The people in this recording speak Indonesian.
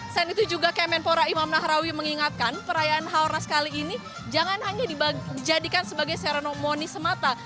selain itu juga kemenpora imam nahrawi mengingatkan perayaan haornas kali ini jangan hanya dijadikan sebagai serenomoni semata